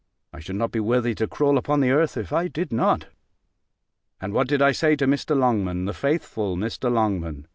I should not be worthy to crawl upon the earth, if I did not. And what did I say to Mr. Longman, the faithful Mr. Longman!